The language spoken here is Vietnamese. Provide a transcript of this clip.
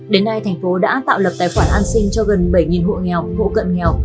đến nay thành phố đã tạo lập tài khoản an sinh cho gần bảy hộ nghèo hộ cận nghèo